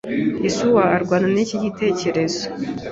Yesuwa arwana niki gitekerezo.